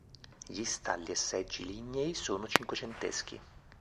Gli stalli e seggi lignei sono cinquecenteschi.